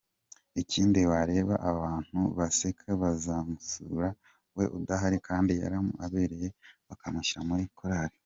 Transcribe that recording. ikindi wareba abantu baseka bakazamusura wowe udahari kd yaramuka abemereye bakamushyira muri choir.